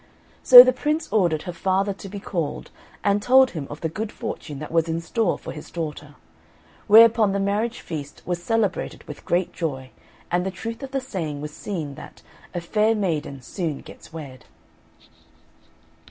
So the Prince ordered her father to be called and told him of the good fortune that was in store for his daughter; whereupon the marriage feast was celebrated with great joy, and the truth of the saying was seen that "A fair maiden soon gets wed."